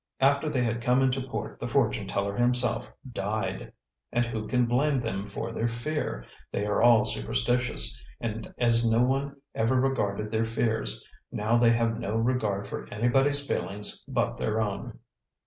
After they had come into port, the fortune teller himself died. And who can blame them for their fear? They are all superstitious; and as no one ever regarded their fears, now they have no regard for anybody's feelings but their own."